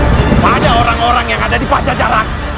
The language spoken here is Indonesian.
kepada orang orang yang ada di pasar jarak